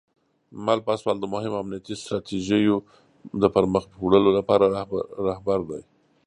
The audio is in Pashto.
مل پاسوال د مهمو امنیتي ستراتیژیو د پرمخ وړلو لپاره رهبر دی.